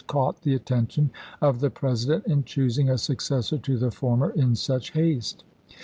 caught the attention of the President in choosing a successor to the former in such haste.